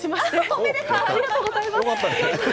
おめでとうございます！